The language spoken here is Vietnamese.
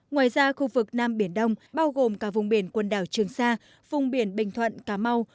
ngoài ra khu vực nam biển đông bao gồm cả vùng biển quần đảo trường sa vùng biển bình thuận cà mau